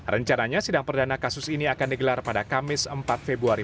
rencananya sidang perdana kasus ini akan digelar pada kamis empat februari